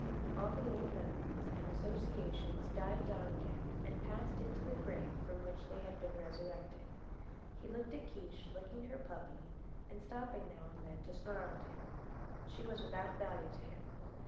All the old memories and associations died down again and passed into the grave from which they had been resurrected. He looked at Kiche licking her puppy and stopping now and then to snarl at him. She was without value to him.